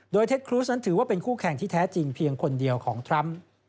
โดยเท็จครูสนั้นถือว่าเป็นคู่แข่งที่แท้จริงเพียงคนเดียวของทรัมป์